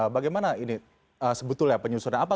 bagaimana ini sebetulnya penyusunan apa